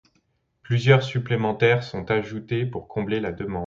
Plusieurs supplémentaires sont ajoutées pour combler la demande.